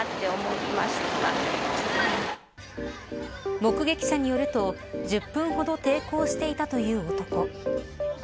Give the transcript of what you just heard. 目撃者によると１０分ほど抵抗していたという男。